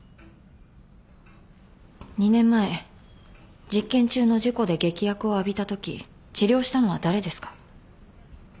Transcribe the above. ２年前実験中の事故で劇薬を浴びたとき治療したのは誰ですか？